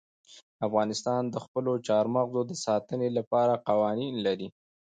افغانستان د خپلو چار مغز د ساتنې لپاره قوانین لري.